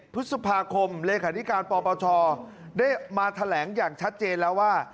พฤษภาคมเลขาธิการปปชได้มาแถลงอย่างชัดเจนแล้วว่า